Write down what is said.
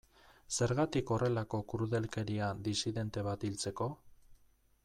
Zergatik horrelako krudelkeria disidente bat hiltzeko?